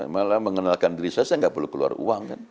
malah mengenalkan diri saya saya nggak perlu keluar uang kan